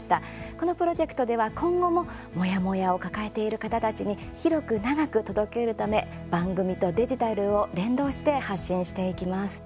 このプロジェクトでは、今後もモヤモヤを抱えている方たちに広く長く届けるため番組とデジタルを連動して発信していきます。